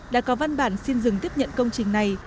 đã có văn bản xin dừng tiếp nhận công trình này